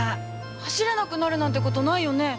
走れなくなるなんてことないよね？